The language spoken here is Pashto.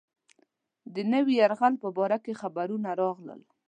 د نوي یرغل په باره کې خبرونه راغلل.